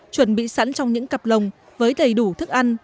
chuẩn bị sẵn trong những cặp lồng với đầy đủ thức ăn